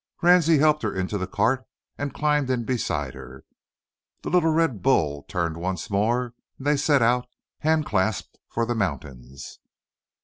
Ransie helped her into the cart, and climbed in beside her. The little red bull turned once more, and they set out, hand clasped, for the mountains.